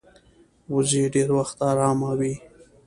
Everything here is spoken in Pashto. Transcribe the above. وزې ډېر وخت آرامه وي